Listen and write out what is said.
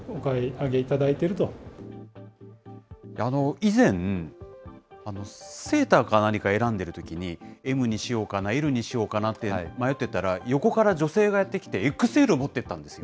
以前、セーターか何か選んでるときに、Ｍにしようかな、Ｌにしようかなって迷ってたら、横から女性がやって来て、ＸＬを持っていったんですよ。